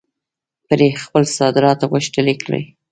پرې خپل صادرات غښتلي کړي.